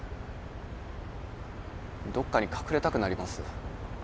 どっかに隠れたくなります。